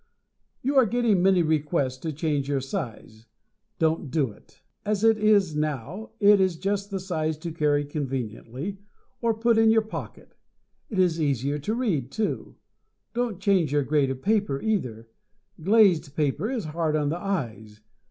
You are getting many requests to change your size. Don't do it. As it is now, it is just the size to carry conveniently, or put in your pocket. It is easier to read, too. Don't change your grade of paper, either. Glazed paper is hard on the eyes.